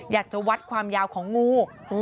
อยากจะวัดความยาวของงู